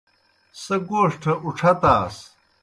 سہ گوݜٹھہ اُڇھتاس۔